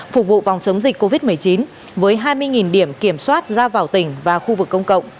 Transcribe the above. phục vụ phòng chống dịch covid một mươi chín với hai mươi điểm kiểm soát ra vào tỉnh và khu vực công cộng